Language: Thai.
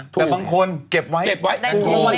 แต่บางคนเก็บไว้ได้โทษ